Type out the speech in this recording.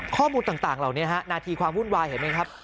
ข้อมูลต่างเหล่านี้ฮะนาทีความวุ่นวายเห็นไหมครับ